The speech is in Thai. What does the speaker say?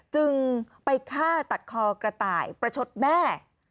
จึงไปฆ่าตัดคอกระต่ายประชดแม่